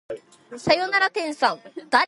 さよなら天さん